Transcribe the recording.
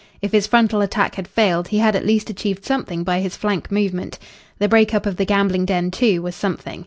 If his frontal attack had failed, he had at least achieved something by his flank movement. The break up of the gambling den, too, was something.